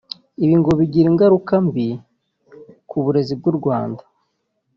Ibi ngo bigira ingaruka mbi ku burezi bw’u Rwanda